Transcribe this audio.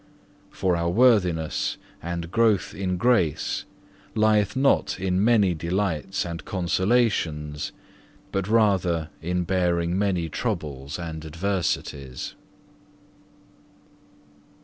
For our worthiness and growth in grace lieth not in many delights and consolations, but rather in bearing many troubles and adversities.